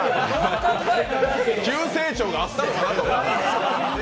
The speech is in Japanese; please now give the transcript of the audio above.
急成長があったのかなって。